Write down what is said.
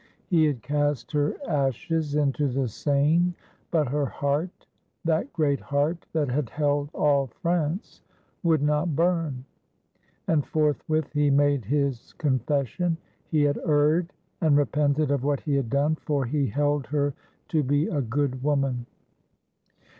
He had cast her ashes into the Seine, but her heart — that great heart that had held all France — would not burn. And forthwith he made his confession; he had erred and repented of what he had done, for he held her to be a good woman.